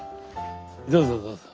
どうぞどうぞ。